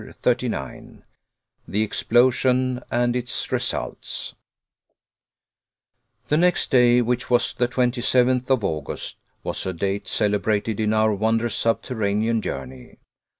CHAPTER 39 THE EXPLOSION AND ITS RESULTS The next day, which was the twenty seventh of August, was a date celebrated in our wondrous subterranean journey.